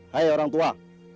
hai orang tua